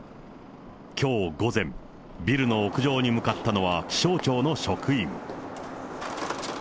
きょう午前、ビルの屋上に向かったのは気象庁の職員。